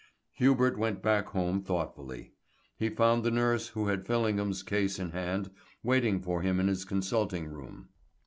Hubert went back home thoughtfully. He found the nurse who had Fillingham's case in hand waiting for him in his consulting room.